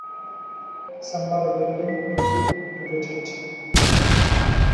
Some are willing to kill to get it.